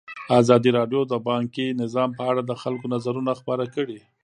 ازادي راډیو د بانکي نظام په اړه د خلکو نظرونه خپاره کړي.